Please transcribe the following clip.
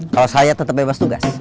kalau saya tetap bebas tugas